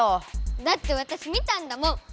だってわたし見たんだもん！